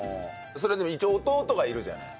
それでも一応弟がいるじゃない。